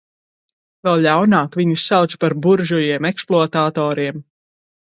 Vēl ļaunāk, viņus sauca par buržujiem, ekspluatatoriem.